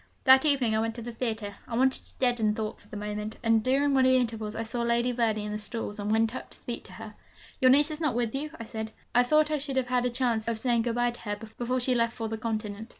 That evening I went to the theatre, I wanted to deaden thought for the moment; and during one of the intervals I saw Lady Verney in the stalls, and went up to speak to her. 'Your niece is not with you?' I said; 'I thought I should have had a chance of of saying good bye to her before she left for the continent.'